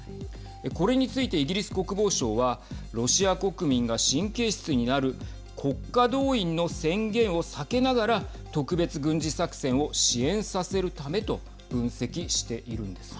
これについてイギリス国防省はロシア国民が神経質になる国家動員の宣言を避けながら特別軍事作戦を支援させるためと分析しているんです。